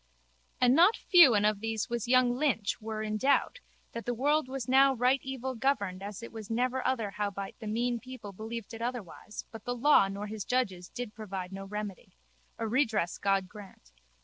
And not few and of these was young Lynch were in doubt that the world was now right evil governed as it was never other howbeit the mean people believed it otherwise but the law nor his judges did provide no remedy. A redress God grant.